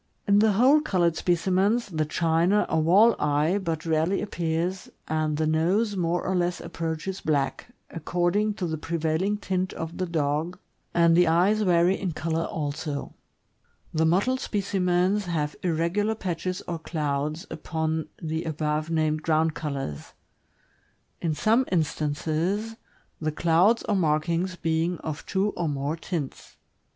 In the whole colored specimens, the china or wall eye but rarely appears, and the nose more or less approaches black, according to the prevailing tint of the dog, and the eyes vary in color also. The mottled specimens have irregular patches or "clouds" upon the above named ground colors; in some instances, the clouds 542 THE AMERICAN BOOK OF THE DOG. or markings being of two or more tints.